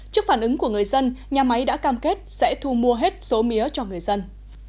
trước phản ứng của người dân nhà máy đã cam kết sẽ thu mua hết số mía cho người dân